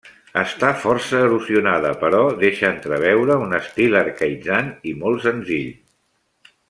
Està força erosionada però deixa entreveure un estil arcaïtzant i molt senzill.